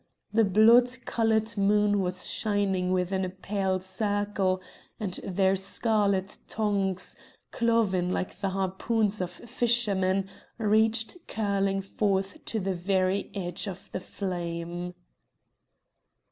The blood coloured moon was shining within a pale circle, and their scarlet tongues, cloven like the harpoons of fishermen, reached curling forth to the very edge of the flame."